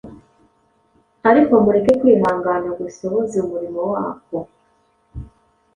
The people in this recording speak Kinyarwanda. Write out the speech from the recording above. Ariko mureke kwihangana gusohoze umurimo wako,